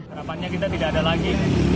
harapannya kita tidak ada lagi